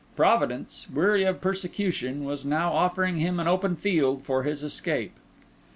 Providence, weary of persecution, was now offering him an open field for his escape.